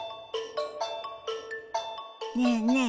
ねえねえ